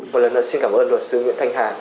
một lần nữa xin cảm ơn luật sư nguyễn thanh hà